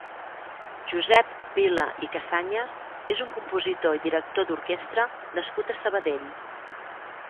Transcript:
Josep Vila i Casañas és un compositor i director d'oquestra nascut a Sabadell.